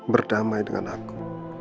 berdamai dengan aku